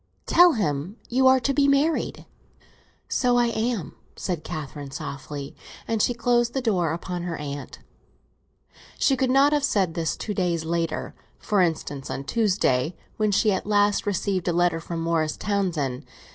"Tell him you are to be married." "So I am," said Catherine softly; and she closed the door upon her aunt. She could not have said this two days later—for instance, on Tuesday, when she at last received a letter from Morris Townsend.